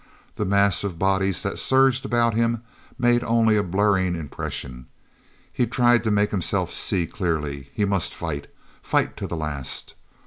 The mass of bodies that surged about him made only a blurring impression; he tried to make himself see clearly. He must fight—fight to the last!